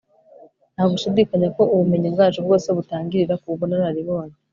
nta gushidikanya ko ubumenyi bwacu bwose butangirira ku bunararibonye